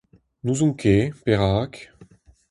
N'ouzon ket. Perak ?